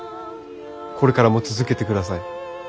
これからも続けてください。